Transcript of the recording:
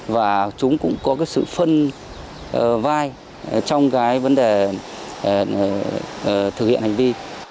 và chúng cũng có sự phân vai trong vấn đề thực hiện hành vi